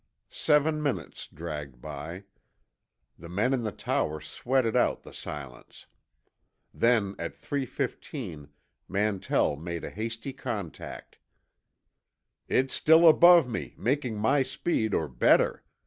Seven minutes dragged by. The men in the tower sweated out the silence. Then, at 3:15, Mantell made a hasty contact. "It's still above me, making my speed or better.